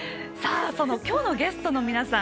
今日のゲストの皆さん